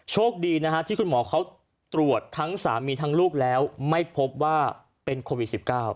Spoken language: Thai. โชคดีนะฮะที่คุณหมอเขาตรวจทั้งสามีทั้งลูกแล้วไม่พบว่าเป็นโควิด๑๙